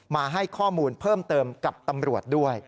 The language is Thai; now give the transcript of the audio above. มาให้ข้อมูลเพิ่มเติมกับตำรวจด้วย